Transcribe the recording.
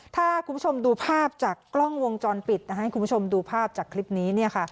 ถ้าคุณผู้ชมดูภาพจากกล้องวงจรปิดให้คุณผู้ชมดูภาพจากคลิปนี้